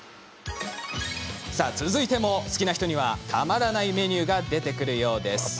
さあ、続いても、好きな人にはたまらないメニューが出てくるようです。